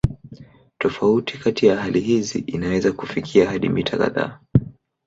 Tofauti kati ya hali hizi inaweza kufikia hadi mita kadhaa.